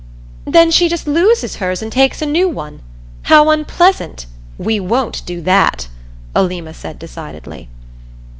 "Then she just loses hers and takes a new one how unpleasant! We won't do that!" Alima said decidedly.